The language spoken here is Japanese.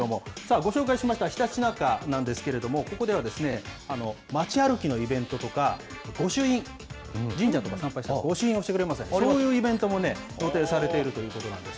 ご紹介しました、ひたちなかなんですけれども、ここでは町歩きのイベントとか、御朱印、神社とか参拝したときに御朱印を押してくれる、そういうイベントもね、予定されているということなんです。